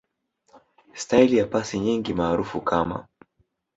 Staili ya pasi nyingi maarufu kama